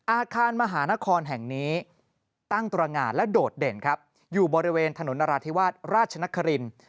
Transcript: อาคารมหานครแห่งนี้ตั้งตรงงานและโดดเด่นครับอยู่บริเวณถนนนราธิวาสราชนครินทร์